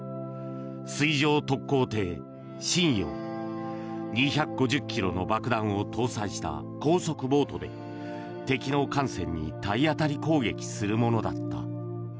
水上特攻艇「震洋」２５０ｋｇの爆弾を搭載した高速ボートで敵の艦船に体当たり攻撃するものだった。